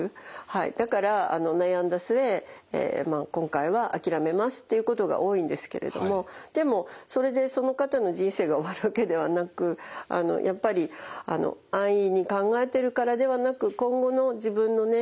だから悩んだ末今回は諦めますということが多いんですけれどもでもそれでその方の人生が終わるわけではなくやっぱり安易に考えてるからではなく今後の自分のね